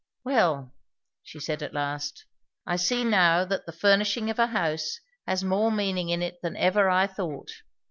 "Well!" she said at last, "I see now that the furnishing of a house has more meaning in it than ever I thought."